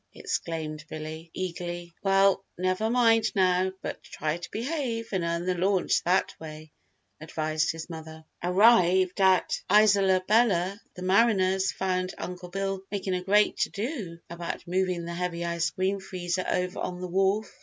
exclaimed Billy, eagerly. "Well, never mind now, but try to behave and earn the launch that way," advised his mother. Arrived at Isola Bella the mariners found Uncle Bill making a great to do about moving the heavy ice cream freezer over on the wharf.